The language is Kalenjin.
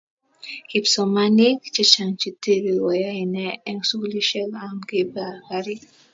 kipsomaninik chechang che tipik keyonei eng sukulisiek am kipa karik